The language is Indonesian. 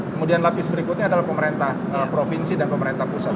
kemudian lapis berikutnya adalah pemerintah provinsi dan pemerintah pusat